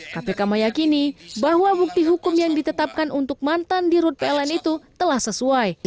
kpk meyakini bahwa bukti hukum yang ditetapkan untuk mantan di rut pln itu telah sesuai